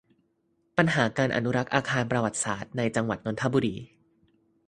ปัญหาการอนุรักษ์อาคารประวัติศาสตร์ ในจังหวัดนนทบุรี